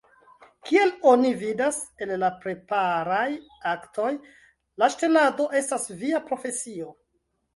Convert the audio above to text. Kiel oni vidas el la preparaj aktoj, la ŝtelado estas via profesio!